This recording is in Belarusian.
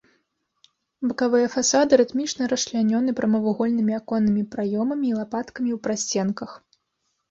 Бакавыя фасады рытмічна расчлянёны прамавугольнымі аконнымі праёмамі і лапаткамі ў прасценках.